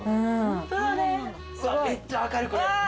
めっちゃ分かる、これ。